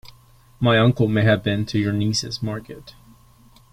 My uncle may have been to your niece's market.